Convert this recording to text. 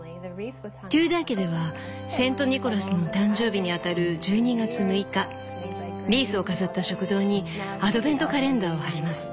テューダー家ではセント・ニコラスの誕生日にあたる１２月６日リースを飾った食堂にアドベントカレンダーを貼ります。